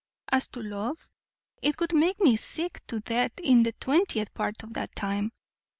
As to love, it would make me sick to death in the twentieth part of that time.